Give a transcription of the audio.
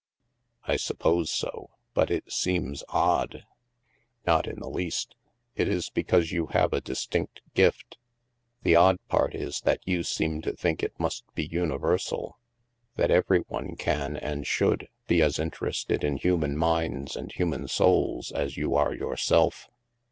" I suppose so. But it seems odd." " Not in the least. It is because you have a dis tinct gift The odd part is that you seem to think it must be universal — that every one can, and should, be as interested in human minds and human souls as you are yourself."